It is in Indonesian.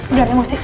udah udah mau sih